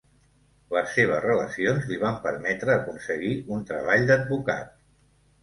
Les seves relacions li van permetre aconseguir un treball d'advocat.